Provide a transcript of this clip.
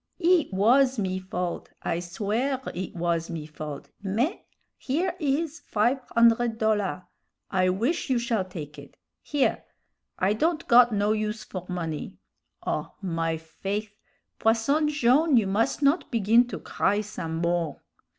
"It was me fault! I swear it was me fault! Mais, here is five hundred dollar'; I wish you shall take it. Here! I don't got no use for money. Oh my faith! Posson Jone', you must not begin to cry some more."